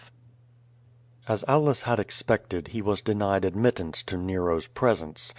As Aulus had expected, he was denied admittance to Nero's presence.